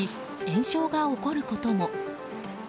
炎症が起こることも。